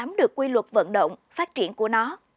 nắm được quy luật vận động phát triển của nó